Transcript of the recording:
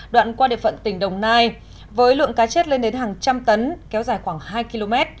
đoạn qua địa phận tỉnh đồng nai với lượng cá chết lên đến hàng trăm tấn kéo dài khoảng hai km